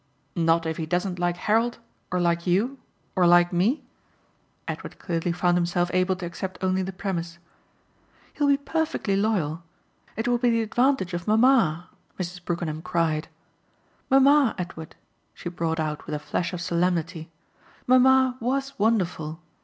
"Not if he doesn't like Harold or like you or like me?" Edward clearly found himself able to accept only the premise. "He'll be perfectly loyal. It will be the advantage of mamma!" Mrs. Brookenham cried. "Mamma, Edward," she brought out with a flash of solemnity "mamma WAS wonderful.